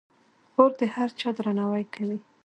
خور د هر چا درناوی کوي.